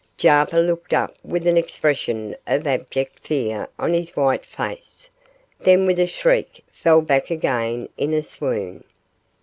Jarper looked up with an expression of abject fear on his white face, then with a shriek fell back again in a swoon.